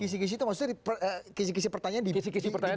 kisih kisih itu maksudnya kisih kisih pertanyaan diberikan sebelum